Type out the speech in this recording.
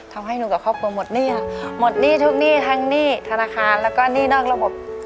ทำให้หนูกับครอบครัวหมดหนี้ค่ะหมดหนี้ทุกหนี้ทั้งหนี้ธนาคารแล้วก็หนี้นอกระบบ